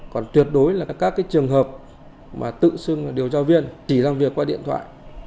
còn tuyệt đối là các trường hợp mà tự xưng là điều tra viên chỉ làm việc qua điện thoại